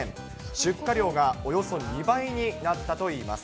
出荷量がおよそ２倍になったといいます。